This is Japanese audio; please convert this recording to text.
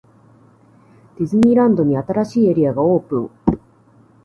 ディズニーランドに、新しいエリアがオープン!!